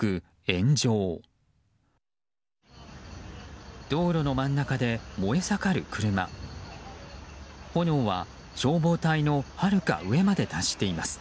炎は消防隊のはるか上まで達しています。